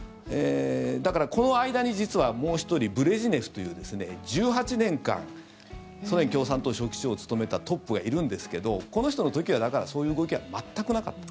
だから、この間に実はもう１人ブレジネフという１８年間ソ連共産党書記長を務めたトップがいるんですがこの人の時はそういう動きは全くなかった。